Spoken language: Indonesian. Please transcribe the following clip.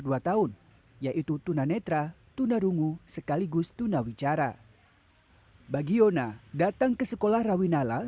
dua tahun yaitu tuna netra tuna rungu sekaligus tuna wicara bagi yona datang ke sekolah rawinalla